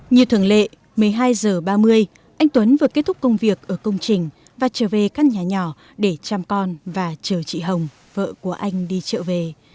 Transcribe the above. như thường lệ một mươi hai h ba mươi anh tuấn vừa kết thúc công việc ở công trình và trở về căn nhà nhỏ để chăm con và chờ chị hồng vợ của anh đi trợ về